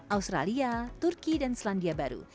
australia turki dan selandia baru